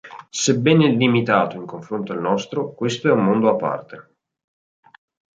Sebbene limitato in confronto al nostro, questo è un mondo a parte.